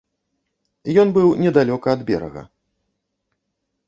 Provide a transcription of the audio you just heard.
Ён быў недалёка ад берага.